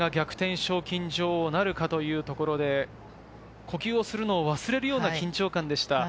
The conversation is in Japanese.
賞金女王なるかというところで呼吸をするのを忘れるような緊張感でした。